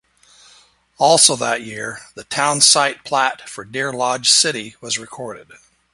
Also that year, the town site plat for Deer Lodge City was recorded.